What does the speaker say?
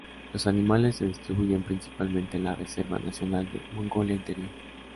Los animales se distribuyen principalmente en la Reserva Nacional de Mongolia Interior.